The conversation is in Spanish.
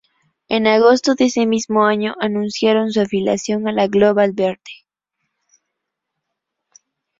En agosto de ese mismo año, anunciaron su afiliación a la Global Verde.